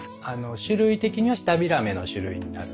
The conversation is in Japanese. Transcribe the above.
種類的にはシタビラメの種類になるんです。